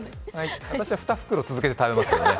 私は２袋、続けて食べますよね。